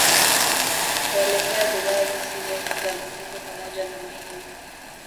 Kuelekea bidhaa zisizo za mifugo pamoja na mahindi